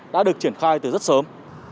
đã được triển khai từ rất sớm